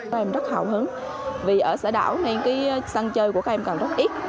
các em rất hào hứng vì ở xã đảo nên cái săn chơi của các em càng rất ít